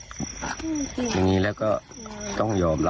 พ่อบอกว่าจริงแล้วก็เป็นยาดกันด้วย